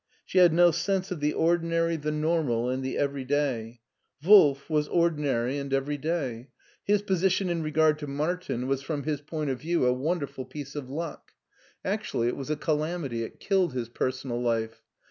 She had no sense of the ordinary, the normal, and the everyday. Wolf was ordinary and everyday. His position in regard to Martin was from his point of view a wonderful piece of luck. Actually SCHWARZWALD 389 it was a calamity, it killed his personal life.